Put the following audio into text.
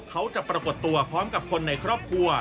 เขาจะปรากฏตัวพร้อมกับคนในครอบครัว